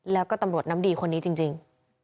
แล้วก็ตำรวจน้ำดีคนนี้จริง